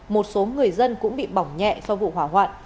một số người dân cũng bị bỏng nhẹ sau vụ hỏa hoạn